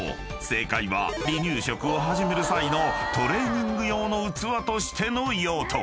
正解は離乳食を始める際のトレーニング用の器としての用途］